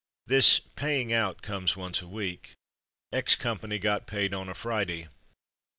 '' This ''paying out" comes once a week. X Company got paid on a Friday.